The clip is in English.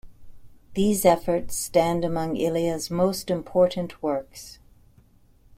These efforts stand among Ilya's most important works.